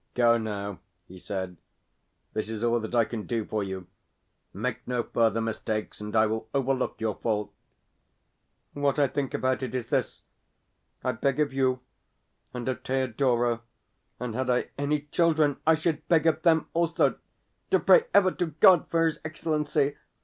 "Go now," he said. "This is all that I can do for you. Make no further mistakes, and I will overlook your fault." What I think about it is this: I beg of you and of Thedora, and had I any children I should beg of them also, to pray ever to God for his Excellency.